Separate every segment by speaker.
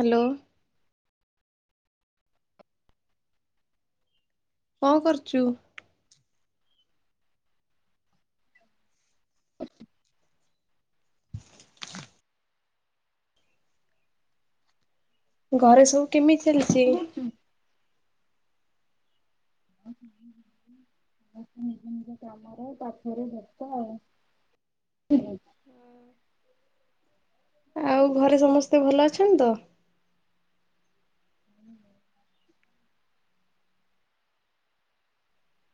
Speaker 1: Hello. କଣ କରୁଛୁ? ଘରେ ସବୁ କେମିତି ଚାଲିଛି?
Speaker 2: କଣ କରୁଛୁ?
Speaker 1: [inaudible]
Speaker 2: ସମସ୍ତେ ନିଜ ନିଜ କାମରେ ତାପରେ ବେସ୍ତ ଆଉ [unintelligible]
Speaker 1: ଆଉ ଘରେ ସମସ୍ତେ ଭଲ ଅଛନ୍ତି ତ?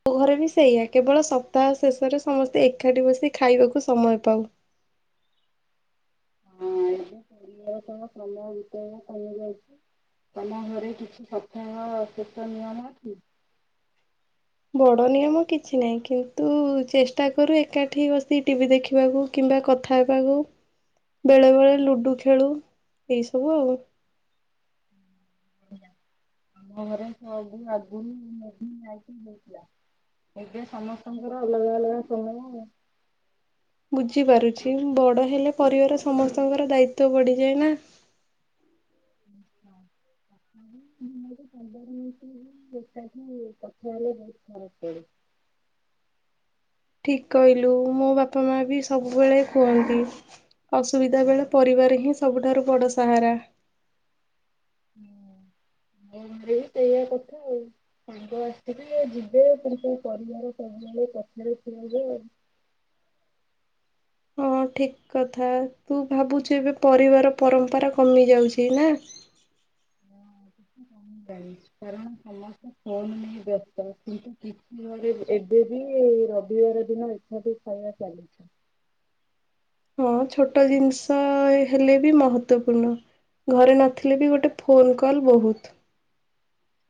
Speaker 1: ମୋ ଘରେ ବି ସେଇଆା କେବଳ ସପ୍ତାହ ଶେଷରେ ସମସ୍ତେ ଏକାଠି ବସି ଖାଇବାକୁ ସମୟ ପାଉ।
Speaker 2: ହଁ [unintelligible] ତମ ଘରେ କିଛି [unintelligible] ନିୟମ ଅଛି?
Speaker 1: ବଡ଼ ନିୟମ କିଛି ନାହିଁ କିନ୍ତୁ ଚେଷ୍ଟା କରୁ ଏକାଠି ବସିି ଟିଭିି ଦେଖିବାକୁ। କିମ୍ବା କଥା ହେବାକୁ ବେଳେବେଳେ ଲୁଡ଼ୁ ଖେଳୁ ଏଇସବୁ ଆଉ।
Speaker 2: ଆମଘରେ [unintelligible] ଏବେ ସମସ୍ତଙ୍କର ଅଲଗା ଅଲଗା ସମୟ।
Speaker 1: ବୁଝିପାରୁଛି ବଡ଼ ହେଲେ ପରିବାର ସମସ୍ତଙ୍କର ଦାୟିତ୍ଵ ବଢ଼ିଯାଏ ନାଁ। [inaudible]
Speaker 2: ମୋର ପନ୍ଦର ମିନିଟ ସେଟାକୁ କଥା ହେଲେ ବହୁତ ଖରପ ଲଗେ।
Speaker 1: ଠିକ କହିଲୁ ମୋ ବାପା ମାଆ ବି ସବୁବେଳେ କୁହନ୍ତି। ଅସୁବିଧା ବେଳେ ପରିବାର ହିଁ ସବୁଠାରୁ ବଡ଼ ସାହାରା।
Speaker 2: ହୁଁ ମୋ ଘରେ ବି ସେଇଆ କଥା ଆଉ। ସାଙ୍ଗ ଆସିିବେ ଯିବେ କିନ୍ତୁ ପରିବାର ସବୁବେଳେ ପଛରେ ଠିଆହେବେ।
Speaker 1: ହଁ ଠିକ କଥା ତୁ ଭାବୁଛୁ ଏବେ ପରିବାର ପରମ୍ପରା କମି ଯାଉଛି ନାଁ?
Speaker 2: କାରଣ ସମସ୍ତେ ଫୋନ ନେଇ ବ୍ୟସ୍ତ କିନ୍ତୁ କି ଦିନରେ ଏବେ ବି ରବିବାର ଦିନ ଏକାଠି ଖାଇବା ଚାଲିଛି।
Speaker 1: ହଁ ଛୋଟ ଜିନିଷ ହେଲେ ବି ମହତ୍ଵପୂର୍ଣ୍ଣ। ଘରେ ନଥିଲେ ବି ଗୋଟେ ଫୋନ୍ କଲ୍ ବହୁତ।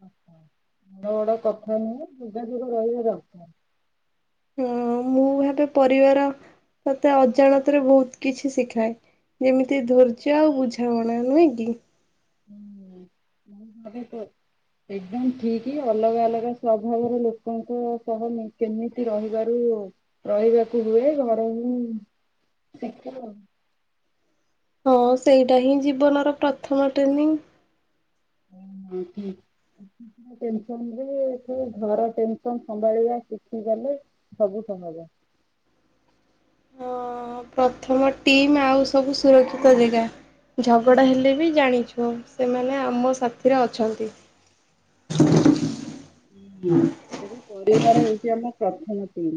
Speaker 2: ଆଚ୍ଛା। ବଡ ବଡ କଥା ନୁହେଁ ଯୋଗାଯୋଗ ରହିବା ଦରକାର।
Speaker 1: ହଁ ମୁଁ ଭାବେ ପରିବାର ତତେ ଅଜାଣତରେ ବହୁତ କିଛି ଶିଖାଏ। ଯେମିତି ଧୈର୍ଯ୍ୟ ଆଉ ବୁଝାମଣା ନୁହେଁ କି?
Speaker 2: ହୁଁ [unintelligible] ଏକଦମ ଠିକ୍ ଅଲଗା ଅଲଗା ସ୍ଵଭାବର ଲୋକଙ୍କ ସହ କେମିତି ରହିବାରୁ ରହିବାକୁ ହୁଏ ଘରମାନଙ୍କ ରୁ ହିଁ ଶିଖିବ।
Speaker 1: ହଁ ସେଇଟା ହିଁ ଜୀବନର ପ୍ରଥମ ଟ୍ରେନିଂ।
Speaker 2: ହୁଁ ହୁଁ ଠିକ୍। ଦୁନିଆ ଟେନସନରେ ଯିଏ ଘର ଟେନସନ ସମ୍ଭାଳିବା ଶିଖିଗଲେ ସବୁ ସମ୍ଭବ।
Speaker 1: ହଁ ପ୍ରଥମ ଟିମ୍ ଆଉ ସବୁ ସୁରକ୍ଷିତ ଯେଗା। ଝଗଡ଼ା ହେଲେ ବି ଜାଣିଯିବ ସେମାନେ ଆମ ସାଥିରେ ଅଛନ୍ତି।
Speaker 2: ହୁଁ ହୁଁ ତେବେ ପରିବାର ହଉଛି ଆମ ପ୍ରଥମ ଟିମ୍।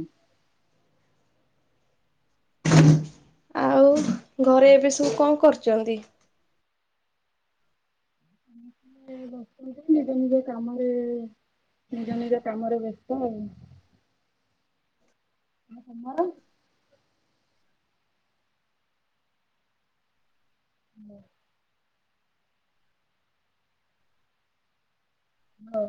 Speaker 1: ଆଉ ଘରେ ଏବେ ସବୁ କଣ କରୁଛନ୍ତି? [inaudible]
Speaker 2: ମୁଁ କହିଲି ନିଜ ନିଜ କାମରେ ନିଜ ନିଜ କାମରେ ବ୍ୟସ୍ତ ଆଉ। ଆଉ ତମର? ହ୍ୟାଲୋ। ହ୍ୟାଲୋ।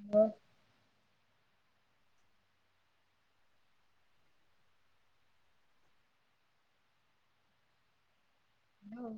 Speaker 2: ହ୍ୟାଲୋ। ହ୍ୟାଲୋ।